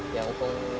thì ổng không biết